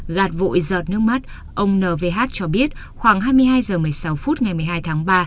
gạt vội giọt nước mắt ông n v h cho biết khoảng hai mươi hai h một mươi sáu phút ngày một mươi hai tháng ba